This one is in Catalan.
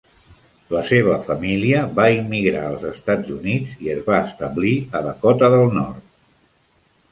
La seva família va immigrar als Estats Units i es va establir a Dakota del Nord.